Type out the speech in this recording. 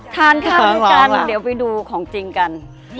ทานข้าวด้วยกันเดี๋ยวไปดูของจริงกัน